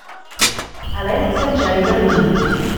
Alex entscheiva a rir.